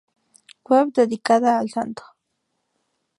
Web dedicada al santo